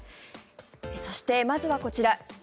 そして、まずはこちら。